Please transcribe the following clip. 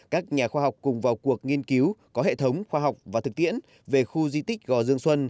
các nhà khoa học cùng vào cuộc nghiên cứu có hệ thống khoa học và thực tiễn về khu di tích gò dương xuân